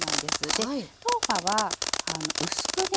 で豆花は薄くね